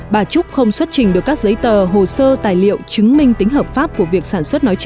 bà trúc không xuất trình được các giấy tờ hồ sơ tài liệu chứng minh tính hợp pháp của việc sản xuất nói trên